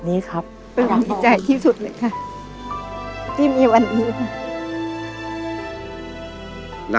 เป็นหวังดีใจที่สุดเลยค่ะที่มีวันนี้ค่ะ